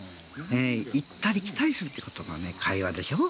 行ったり来たりするということが会話でしょう。